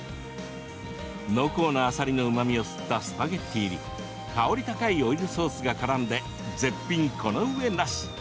濃厚なあさりのうまみを吸ったスパゲッティに香り高いオイルソースがからんで絶品このうえなし！